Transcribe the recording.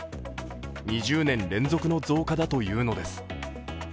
２０年連続の増加だというのです。